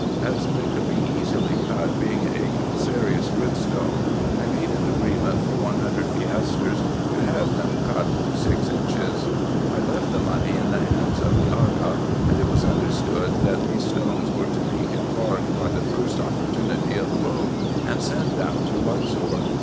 As they could be easily cut, being a calcareous gritstone, I made an agreement for one hundred piastres, to have them cut to six IN EGYPT, NUBIA, &c. 105 inches. I left the money in the hands of the Aga ; and it was understood, that these stones were to be embarked by the first opportunity of a boat, and sent down to Luxor.